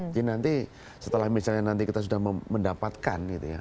nanti setelah misalnya nanti kita sudah mendapatkan gitu ya